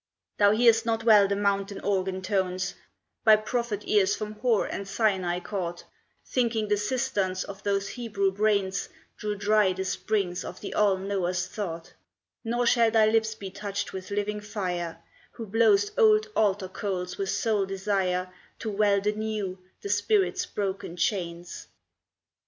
Thou hear'st not well the mountain organ tones By prophet ears from Hor and Sinai caught, Thinking the cisterns of those Hebrew brains Drew dry the springs of the All knower's thought, Nor shall thy lips be touched with living fire, Who blow'st old altar coals with sole desire To weld anew the spirit's broken chains.